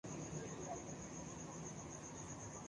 خون عشاق سے جام بھرنے لگے دل سلگنے لگے داغ جلنے لگے